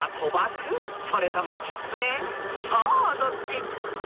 ［さあどっち？］